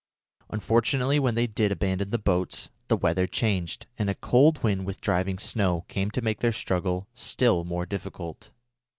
Unfortunately when they did abandon the boats the weather changed, and a cold wind with driving snow came to make their struggle still more difficult.